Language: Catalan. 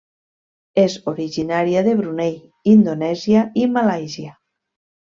És originària de Brunei, Indonèsia i Malàisia.